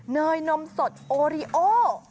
เนยนมสดโอริโอ